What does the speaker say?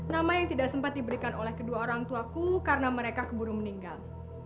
nama yang tidak sempat diberikan oleh kedua orang tuaku karena mereka keburu meninggal